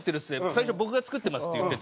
最初「僕が作ってます」って言ってて。